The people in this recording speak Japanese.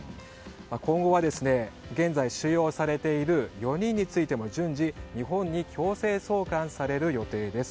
今後は、現在収容されている４人についても順次日本に強制送還される予定です。